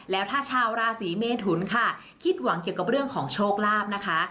แล้วถ้าชาวราศีเมทุนค่ะคิดหวังเกี่ยวกับเรื่องของโชคลาภนะคะ